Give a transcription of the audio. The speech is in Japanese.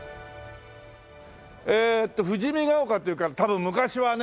えーと「富士見ヶ丘」っていうから多分昔はね